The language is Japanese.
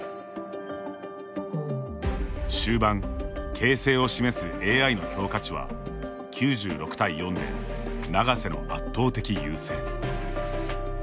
終盤、形勢を示すＡＩの評価値は９６対４で永瀬の圧倒的優勢。